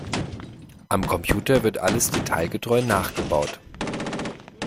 Am Computer wird alles detailgetreu nachgebaut.